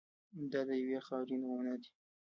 دا د یوې خاورې نومونه دي.